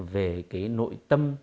về cái nội tâm